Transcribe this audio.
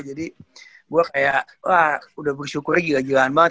jadi gue kayak wah udah bersyukur gila gilaan banget